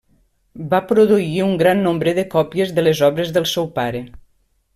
Va produir un gran nombre de còpies de les obres del seu pare.